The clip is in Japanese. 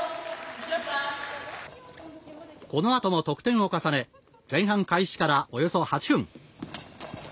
このあとも得点を重ね前半開始からおよそ８分。